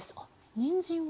にんじんは？